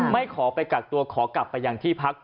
ขอไปกักตัวขอกลับไปยังที่พัก